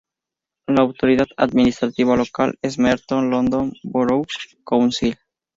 La autoridad administrativa local es Merton London Borough Council.